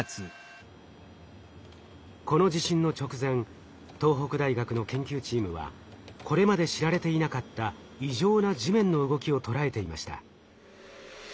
この地震の直前東北大学の研究チームはこれまで知られていなかった異常な地面の動きを捉えていました。